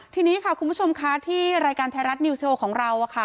ทีนี้ค่ะคุณผู้ชมค่ะที่รายการไทยรัฐนิวโชว์ของเรา